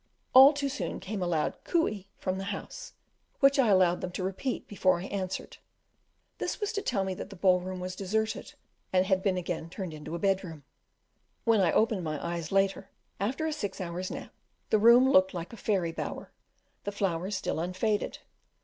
All too soon came a loud "coo ee" from the house, which I allowed them to repeat before I answered; this was to tell me that the ball room was deserted, and had been again turned into a bed room. When I opened my eyes later, after a six hours' nap, the room looked like a fairy bower, the flowers still unfaded.